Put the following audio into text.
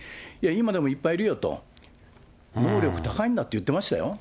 今でもいっぱいいるよと、能力高いんだって言ってましたよ。